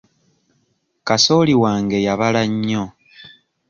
Kasooli wange yabala nnyo.